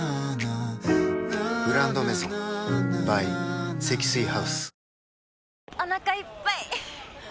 「グランドメゾン」ｂｙ 積水ハウス